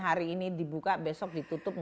hari ini dibuka besok ditutup